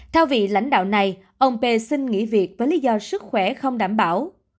theo vị lãnh đạo này ông p xin nghỉ việc với lý do sức khỏe không đảm bảo